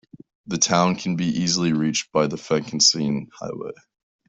The town can be easily reached by the Phetkasem highway.